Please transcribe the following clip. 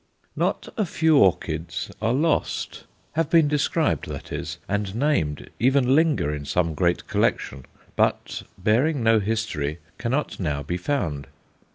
Not a few orchids are "lost" have been described that is, and named, even linger in some great collection, but, bearing no history, cannot now be found.